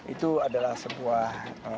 itu adalah sebuah